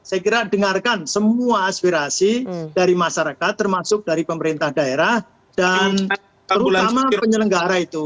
saya kira dengarkan semua aspirasi dari masyarakat termasuk dari pemerintah daerah dan terutama penyelenggara itu